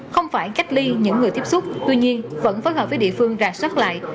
không phải cách ly những người tiếp xúc tuy nhiên vẫn phối hợp với địa phương rà soát lại